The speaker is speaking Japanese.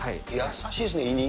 優しいですね、胃に。